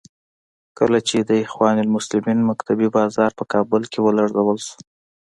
کله چې د اخوان المسلمین مکتبې بازار په کابل کې ولړل شو.